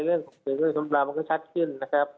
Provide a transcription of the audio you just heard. เรื่องสมคืนการทำจำเลามันก็ชัดขึ้นนะครับ